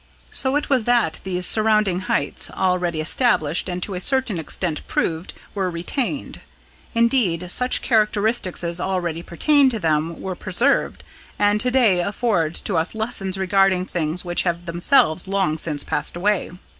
So it was that these surrounding heights, already established and to a certain extent proved, were retained. Indeed, such characteristics as already pertained to them were preserved, and to day afford to us lessons regarding things which have themselves long since passed away.